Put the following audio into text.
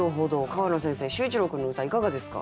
川野先生秀一郎君の歌いかがですか？